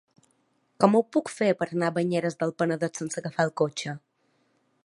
Com ho puc fer per anar a Banyeres del Penedès sense agafar el cotxe?